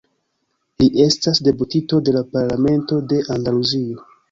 Li estas deputito de la Parlamento de Andaluzio.